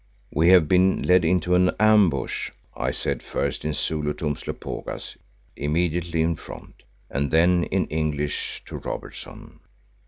"We have been led into an ambush," I said first in Zulu to Umslopogaas immediately in front, and then in English to Robertson.